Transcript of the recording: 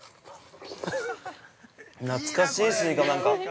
◆懐かしい、スイカ、なんか。